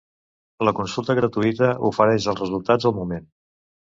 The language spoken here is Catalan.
La consulta gratuïta ofereix els resultats al moment.